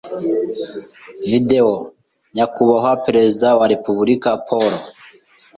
Video, Nyakubahwa Perezida wa Repubulika, Paul